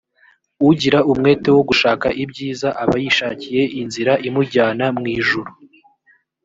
ugira umwete wo gushaka ibyiza aba yishakiye inzira imujyana mwijuru